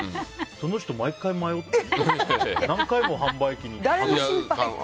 その毎回迷って何回も販売機に。